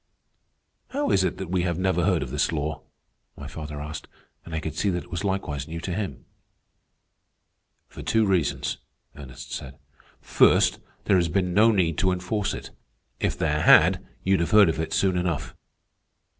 "How is it that we have never heard of this law?" my father asked, and I could see that it was likewise new to him. "For two reasons," Ernest said. "First, there has been no need to enforce it. If there had, you'd have heard of it soon enough.